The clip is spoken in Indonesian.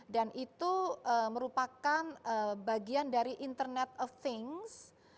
dan itu merupakan bagian dari internet of things